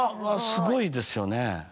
すごいですよね。